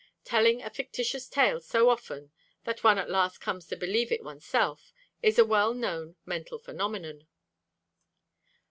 Telling a fictitious tale so often that one at last comes to believe it oneself, is a well known mental phenomenon.